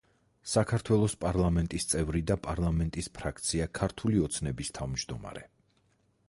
საქართველოს პარლამენტის წევრი და პარლამენტის ფრაქცია „ქართული ოცნების“ თავმჯდომარე.